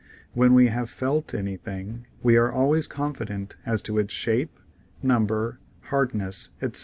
When we have "felt " anything we are always confident as to its shape, number, hardness, etc.